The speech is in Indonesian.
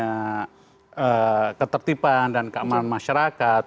bagaimana hadirnya ketertiban dan keamanan masyarakat